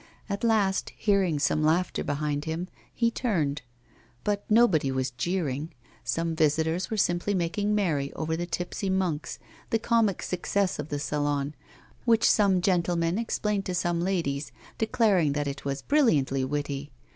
At last, hearing some laughter behind him, he turned round; but nobody was jeering, some visitors were simply making merry over the tipsy monks, the comic success of the Salon, which some gentlemen explained to some ladies, declaring that it was brilliantly witty.